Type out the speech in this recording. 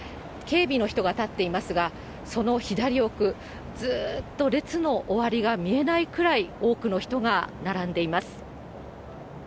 警備の人が立っていますが、その左奥、ずーっと列の終わりが見えないくらい、多くの人が並んでいます。